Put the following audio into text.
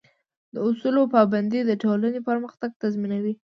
د اصولو پابندي د ټولنې پرمختګ تضمینوي.